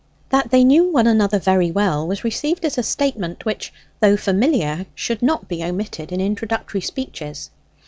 That they knew one another very well was received as a statement which, though familiar, should not be omitted in introductory speeches.